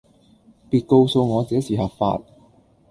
別告訴我這是合法